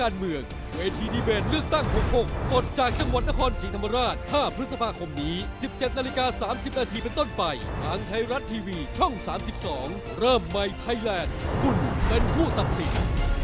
เริ่มใหม่ไทยแลนด์คุณเป็นผู้ตัดสิน